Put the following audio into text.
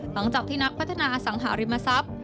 หลังจากที่นักพัฒนาสังหาริมทรัพย์